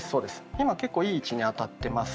今結構いい位置に当たってますよ。